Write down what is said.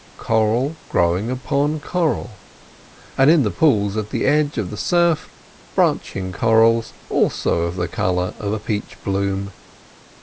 Coral growing upon coral, and in the pools at the edge of the surf branching corals also of the colour of a peach bloom.